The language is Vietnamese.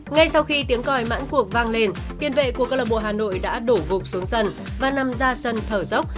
ngay sau khi tiếng còi mãn cuộc vang lên tiền vệ của club hà nội đã đổ vục xuống sân và nằm ra sân thở dốc